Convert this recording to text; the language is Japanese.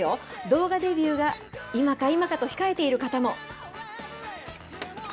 動画デビューが、今か今かと控えている方も。